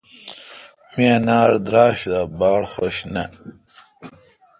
می انار دراݭ دا بارخوش نے۔